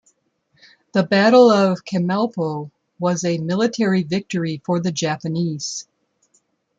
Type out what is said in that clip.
The Battle of Chemulpo was a military victory for the Japanese.